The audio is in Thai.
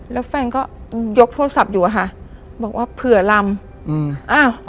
แล้วแฟนก็ยกโทรศัพท์อยู่อะค่ะบอกว่าเผื่อลำอืมอ้าว